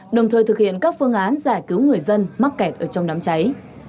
đồng thời thực hiện các phương án giải cứu người dân mắc kẹt ở trong đám cháy